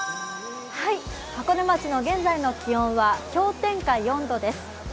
箱根町の現在の気温は氷点下４度です。